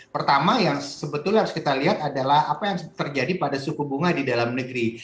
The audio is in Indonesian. pertama yang sebetulnya harus kita lihat adalah apa yang terjadi pada suku bunga di dalam negeri